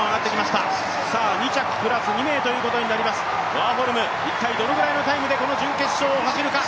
ワーホルム、一体どのぐらいのタイムで準決勝を走るか。